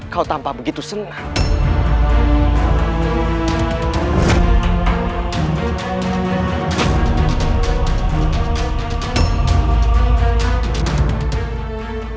kau tampak begitu senang